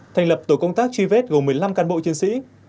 thành lập tổ công tác truy vết gồm một mươi năm cán bộ chiến sĩ